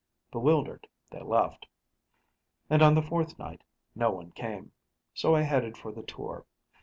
Bewildered, they left. And on the fourth night, no one came. So I headed for the Tour.